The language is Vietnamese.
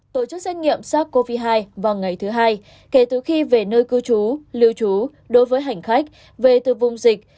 tổ chức xét nghiệm sars cov hai vào ngày thứ hai kể từ khi về nơi cư trú lưu trú đối với hành khách về từ vùng dịch